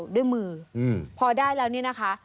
ด้วยมือพอได้แล้วนี่นะคะ